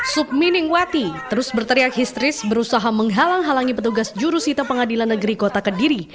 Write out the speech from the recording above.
subminingwati terus berteriak histeris berusaha menghalang halangi petugas jurusita pengadilan negeri kota kediri